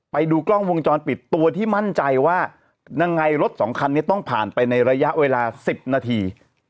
ไปดูกล้องวงจรปิดตัวที่มั่นใจว่ายังไงรถสองคันนี้ต้องผ่านไปในระยะเวลา๑๐นาที